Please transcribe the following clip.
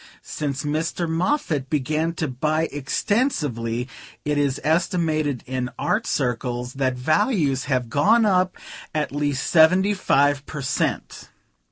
Since Mr. Moffatt began to buy extensively it is estimated in art circles that values have gone up at least seventy five per cent.'"